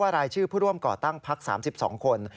รายชื่อผู้ร่วมก่อตั้งพัก๓๒คน